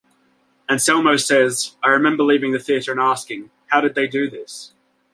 Anselmo says, I remember leaving the theater and asking, 'How did they do this?